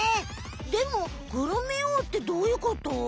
でもグルメ王ってどういうこと？